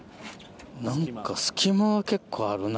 何か隙間は結構あるな。